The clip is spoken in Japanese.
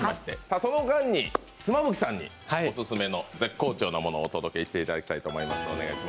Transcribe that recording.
その間に妻夫木さんにオススメの絶好調なものを紹介していただきます。